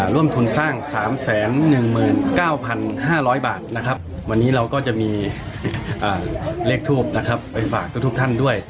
ร่วมทุนสร้าง๓๑๙๕๐๐บาทนะครับวันนี้เราก็จะมีเลขทูปนะครับไปฝากทุกท่านด้วย